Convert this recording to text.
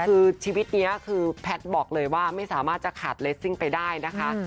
คือชีวิตนี้คือแพทย์บอกเลยว่าไม่สามารถจะขาดเลสซิ่งไปได้นะคะ